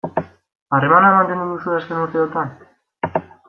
Harremana mantendu duzue azken urteotan?